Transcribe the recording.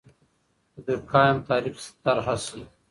د دورکهايم تعریف طرحه سي.